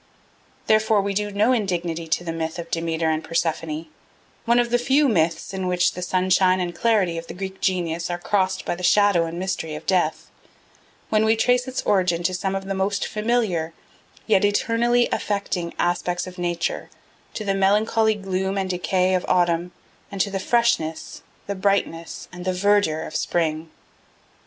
Therefore we do no indignity to the myth of Demeter and Persephone one of the few myths in which the sunshine and clarity of the Greek genius are crossed by the shadow and mystery of death when we trace its origin to some of the most familiar, yet eternally affecting aspects of nature, to the melancholy gloom and decay of autumn and to the freshness, the brightness, and the verdure of spring.